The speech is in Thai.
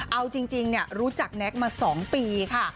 เอาจริงรู้จักแน็กมา๒ปีค่ะ